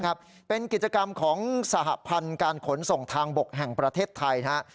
นะครับเป็นกิจกรรมของสหพันธุ์การขนส่งทางบกแห่งประเทศไทยฮะ